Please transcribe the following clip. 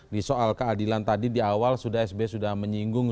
di soal keadilan tadi di awal sudah sby sudah menyinggung